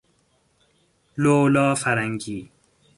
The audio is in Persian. لولا فرنگی